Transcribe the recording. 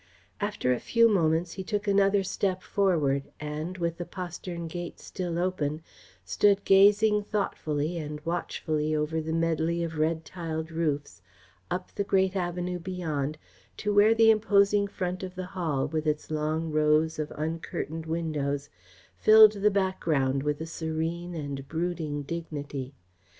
After a few moments he took another step forward and, with the postern gate still open, stood gazing thoughtfully and watchfully over the medley of red tiled roofs, up the great avenue beyond, to where the imposing front of the Hall, with its long rows of uncurtained windows, filled the background with a serene and brooding dignity.